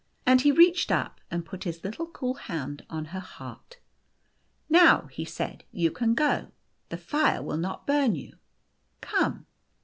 And he reached up, and put his little cool hand on her heart. " Now," he said, " you can go. The fire will not burn you. Come."